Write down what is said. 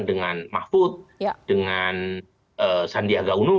dengan mahfud dengan sandiaga uno